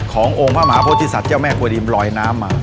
ขององค์พระมหาโพธิสัตว์เจ้าแม่กวนิมลอยน้ำมา